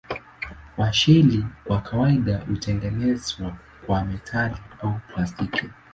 Washeli kwa kawaida hutengenezwa kwa metali au plastiki.